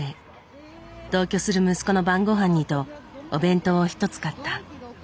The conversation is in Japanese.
同居する息子の晩ごはんにとお弁当を１つ買った。